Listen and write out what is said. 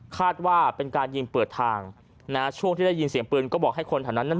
คาดว่าเป็นการยิงเปิดทางนะช่วงที่ได้ยินเสียงปืนก็บอกให้คนแถวนั้น